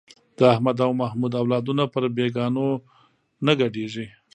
د احمد او محمود اولادونه پر بېګانو نه ګډېږي.